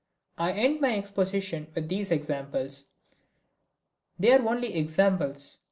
I end my exposition with these examples. They are only examples.